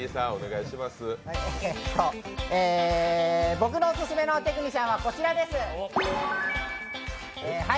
僕のオススメのテクニシャンはこちらです。